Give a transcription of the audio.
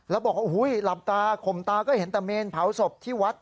แล้วบอกว่าหลับตาข่มตาก็เห็นแต่เมนเผาศพที่วัด